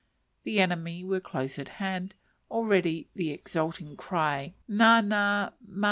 The enemy were close at hand; already the exulting cry "_Na! na!